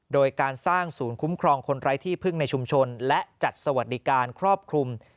โดยการสร้างศูนย์คุ้มครองคนไร้ที่พึ่งในชุมชนและจัดสวัสดิการครอบคลุม